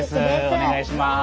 お願いします。